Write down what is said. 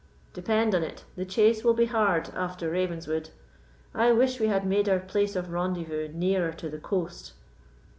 Depend on it, the chase will be hard after Ravenswood. I wish we had made our place of rendezvous nearer to the coast."